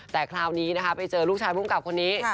แต่คราวนี้นะคะไปเจอลูกชายภูมิกับคนนี้